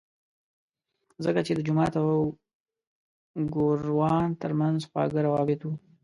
ځکه چې د جومات او ګوروان ترمنځ خواږه روابط وو.